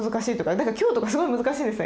だから今日とかすごい難しいんですよ。